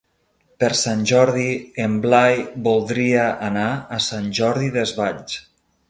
Per Sant Jordi en Blai voldria anar a Sant Jordi Desvalls.